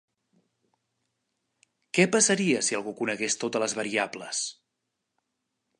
Què passaria si algú conegués totes les variables?